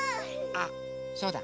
あそうだ！